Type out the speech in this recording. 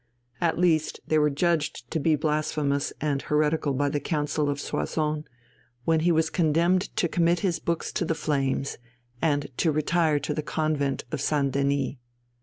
At least they were judged to be blasphemous and heretical by the Council of Soissons, when he was condemned to commit his books to the flames and to retire to the Convent of St. Denys.